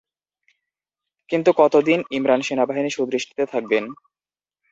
কিন্তু কত দিন ইমরান সেনাবাহিনীর সুদৃষ্টিতে থাকবেন?